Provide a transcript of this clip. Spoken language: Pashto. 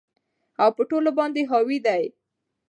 او په ټولو باندي حاوي دى